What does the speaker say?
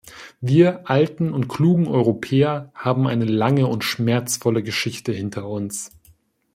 Wir alten und klugen Europäer haben eine lange und schmerzvolle Geschichte hinter uns.